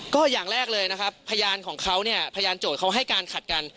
ก็อย่างแรกเลยนะครับพยานของเขาเนี่ยพยานโจทย์เขาให้การขัดกัน